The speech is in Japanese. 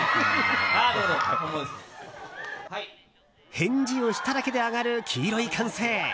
返事をしただけで上がる黄色い歓声。